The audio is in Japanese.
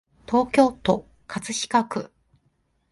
東京都葛飾区